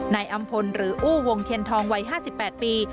นายอำพลหรืออู้วงเทียนทองวัย๕๘ปี